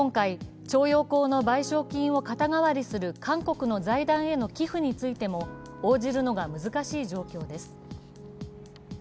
今回、徴用工の賠償金を肩代わりする韓国の財団への寄付についても応じるのが難しい状況です。